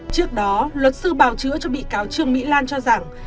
trước đó luật sư bào chữa cho bị cáo trương mỹ lan cho rằng